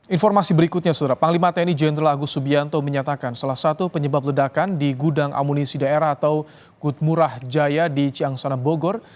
informasi berikutnya sudah panglima tni jenderal agus subianto menyatakan salah satu penyebab ledakan di gudang amunisi daerah atau kutmurah jaya di ciangsona bogor